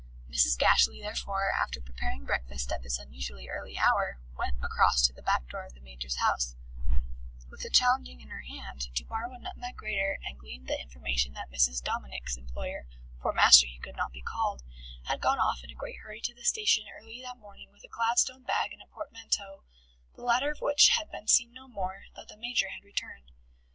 Mrs. Gashly, therefore, after preparing breakfast at this unusually early hour, went across to the back door of the Major's house, with the challenge in her hand, to borrow a nutmeg grater, and gleaned the information that Mrs. Dominic's employer (for master he could not be called) had gone off in a great hurry to the station early that morning with a Gladstone bag and a portmanteau, the latter of which had been seen no more, though the Major had returned.